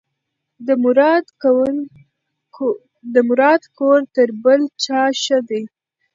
د مراد کور تر بل چا ښه دی.